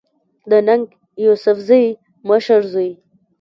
د ننګ يوسفزۍ مشر زوی